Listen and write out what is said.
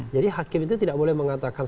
jadi hakim itu tidak boleh mengatakan